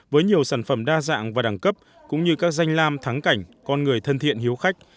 với nhiều sản phẩm đa dạng và đẳng cấp cũng như các danh lam thắng cảnh con người thân thiện hiếu khách